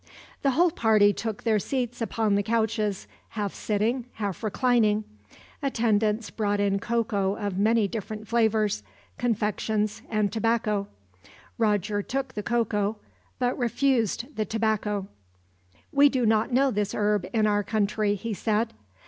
The whole party took their seats upon the couches, half sitting, half reclining. Attendants brought in cocoa of many different flavors, confections, and tobacco. Roger took the cocoa, but refused the tobacco. "We do not know this herb in our country," he said.